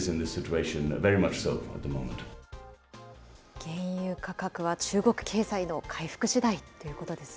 原油価格は中国経済の回復しだいということですね。